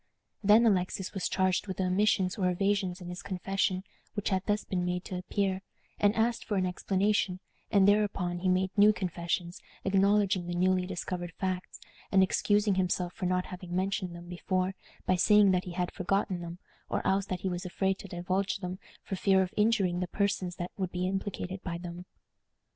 Then Alexis was charged with the omissions or evasions in his confession which had thus been made to appear, and asked for an explanation, and thereupon he made new confessions, acknowledging the newly discovered facts, and excusing himself for not having mentioned them before by saying that he had forgotten them, or else that he was afraid to divulge them for fear of injuring the persons that would be implicated by them.